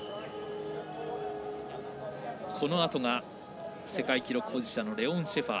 このあとが世界記録保持者のレオン・シェファー。